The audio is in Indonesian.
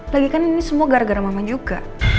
lagi kan ini semua gara gara mama juga